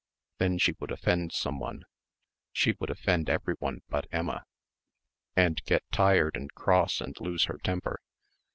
Then she would offend someone. She would offend everyone but Emma and get tired and cross and lose her temper.